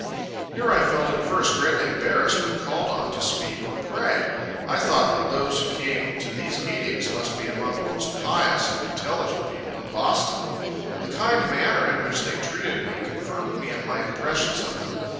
Here I felt at first greatly embarrassed when called on to speak or pray. I thought that those who came to these meetings must be among the most pious and intelligent people in Boston. The kind manner in which they treated me, confirmed me in my impressions of them.